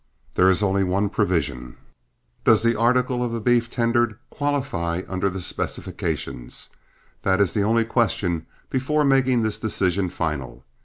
There is only one provision, does the article of beef tendered qualify under the specifications? That is the only question before making this decision final.